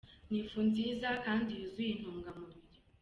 Ni ifu nziza kandi yuzuye intungamubiri.